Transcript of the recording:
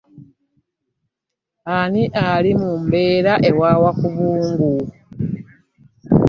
Ani alimumpeea awa wa kubungu .